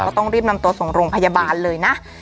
ต้องรีบนำตัวส่งโรงพยาบาลเลยนะ